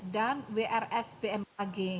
dan wrs bmkg